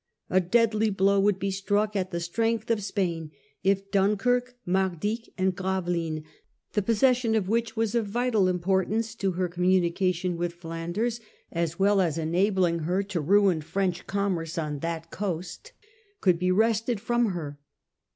A deadly blow would be Mavrin struck at the strength of Spain if Dunkirk, to secure* Mardyck, and Gravelines — the possession of England. which was of vital importance to her com munication with Flanders as well as enabling her to ruin French commerce on that coast— could be wrested from her.